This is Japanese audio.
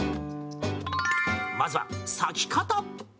まずは、咲き方。